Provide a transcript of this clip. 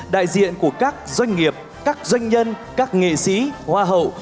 đại diện của các doanh nghiệp các doanh nhân các nghệ sĩ hoa hậu